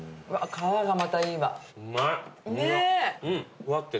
皮がまたいいわ。